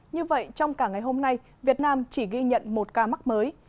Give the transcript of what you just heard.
như vậy trong cả ngày hôm nay việt nam chỉ ghi nhận một ca mắc mới